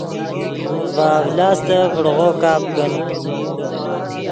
ڤے اڤلاستف ڤڑغو کپ کن